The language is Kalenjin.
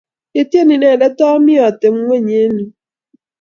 Yetyeni inendet ami atepng'unyi eng' yu.